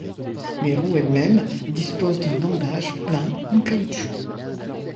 Les roues elles-mêmes disposent d’un bandage plein en caoutchouc.